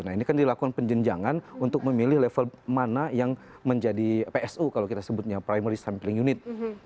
nah ini kan dilakukan penjenjangan untuk memilih level mana yang menjadi psu kalau kita sebutnya primary sampling unit